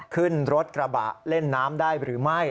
ขึ้นรถกระบะเล่นน้ำได้หรือไม่